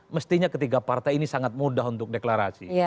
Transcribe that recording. mestinya ketiga partai ini sangat mudah untuk deklarasi